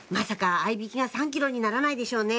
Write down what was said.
合いびきが３ｋｇにならないでしょうね？